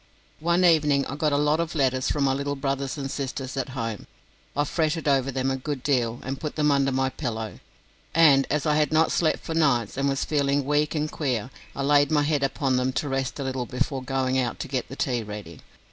One evening I got a lot of letters from my little brothers and sisters at home. I fretted over them a good deal, and put them under my pillow; and as I had not slept for nights, and was feeling weak and queer, I laid my head upon them to rest a little before going out to get the tea ready.